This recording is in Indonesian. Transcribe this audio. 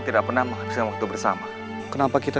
tidak ada yang perlu kamu sampaikan